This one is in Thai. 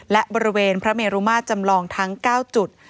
และบริเวณพระเมรุมาตรจำลองทั้ง๙จุด